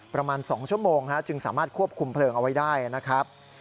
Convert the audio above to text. ประมาณ๒ชั่วโมงจึงสามารถควบคุมเพลิงเอาไว้ได้นะครับ